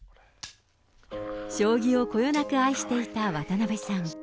将棋をこよなく愛していた渡辺さん。